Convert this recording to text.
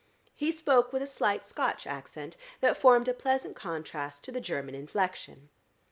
He spoke with a slight Scotch accent that formed a pleasant contrast to the German inflection.